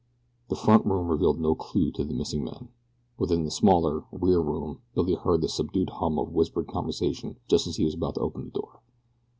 The front room revealed no clue to the missing men. Within the smaller, rear room Byrne heard the subdued hum of whispered conversation just as he was about to open the door.